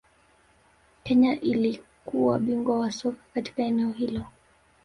Kenya ilikuwa bingwa wa soka katika eneo hili